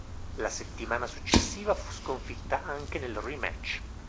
La settimana successiva fu sconfitta anche nel rematch.